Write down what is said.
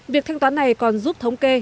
việc thanh toán này còn giúp thống kê